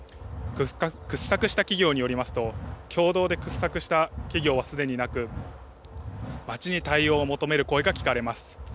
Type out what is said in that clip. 掘削した企業によりますと、共同で掘削した企業はすでになく、町に対応を求める声が聞かれます。